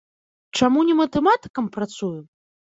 Чаму не матэматыкам працую?